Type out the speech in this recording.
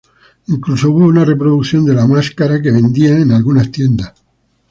Incluso hubo una reproducción de la máscara que vendían en algunas tiendas.